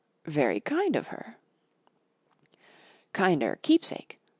Er very kind of her." "Kinder keep sake.